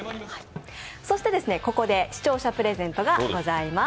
ここで視聴者プレゼントがございます。